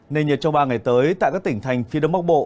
nên nhiệt trong ba ngày tới tại các tỉnh thành phía đông bắc bộ